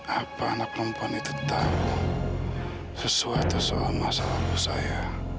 apa anak perempuan itu tahu sesuatu soal masalahku saya